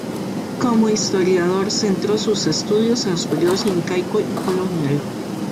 Como historiador centró sus estudios en los períodos incaico y colonial.